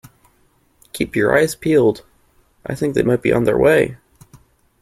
Keep your eyes peeled! I think they might be on their way.